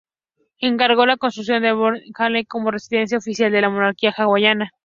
Encargó la construcción de Aliʻiōlani Hale como residencia oficial de la monarquía hawaiana.